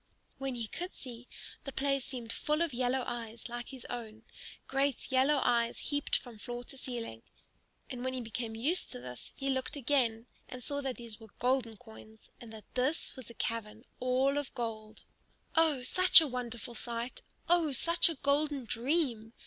When he could see, the place seemed full of yellow eyes like his own, great yellow eyes heaped up from floor to ceiling. And when he became used to this he looked again and saw that these were golden coins, and that this was a cavern all of gold. Oh, such a wonderful sight! Oh, such a golden dream!